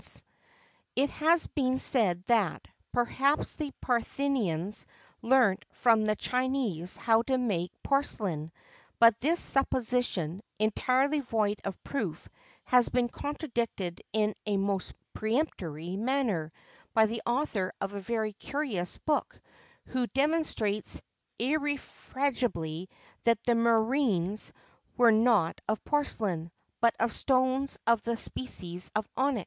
[XXVII 38] It has been said that, perhaps the Parthians learnt from the Chinese how to make porcelain; but this supposition, entirely void of proof, has been contradicted in a most peremptory manner by the author of a very curious book, who demonstrates irrefragably that the Murrhines were not of porcelain, but of stones of the species of onyx.